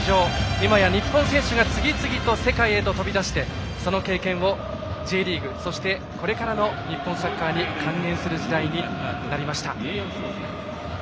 今や日本人選手が次々と世界へと飛び出してその経験をＪリーグ、そしてこれからの日本サッカーに還元する時代になりました。